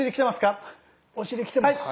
お尻きてますか？